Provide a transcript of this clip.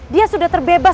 dia prata sudah terbebas